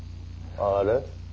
あれ？